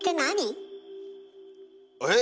えっ？